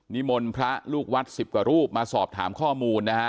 นิมนต์พระลูกวัตรสิบก่รูปมาสอบถามข้อมูล